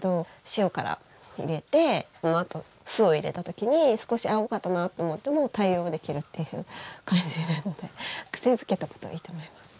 塩から入れてそのあと酢を入れたときに少しあぁ多かったなと思っても対応できるっていう感じなので癖づけとくといいと思います。